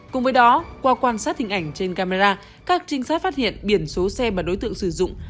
cùng với đó qua quan sát hình ảnh trên camera các trinh sát phát hiện biển số xe mà đối tượng sử dụng